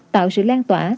tạo sự lan tỏa